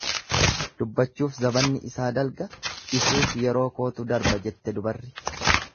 Dubbachuuf zabanni isaa dalga dhisuuf yeroo kootu darba jette dubarri.